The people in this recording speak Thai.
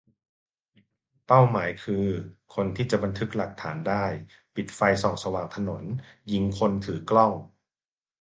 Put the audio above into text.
เป้าหมายคือ คนที่จะบันทึกหลักฐานได้ ? ปิดไฟส่องสว่างถนน ยิงคนถือกล้อง ?